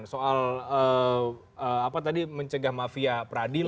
soal apa tadi mencegah mafia peradil